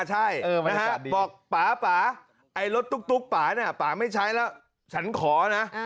ใช่บอกป่าไอ้รถตุ๊กป่าเนี่ยป่าไม่ใช้แล้วฉันขอนะ